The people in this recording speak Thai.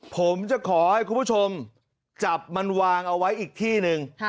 ผมจะขอให้คุณผู้ชมจับมันวางเอาไว้อีกที่หนึ่ง